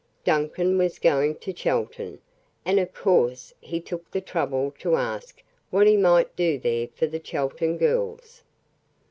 Duncan was going to Chelton, and of course he took the trouble to ask what he might do there for the Chelton girls.